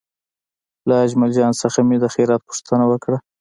له اجمل جان څخه مې د خیریت پوښتنه وکړه.